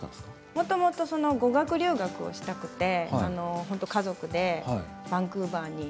もともと語学留学をしたくて家族でバンクーバーに。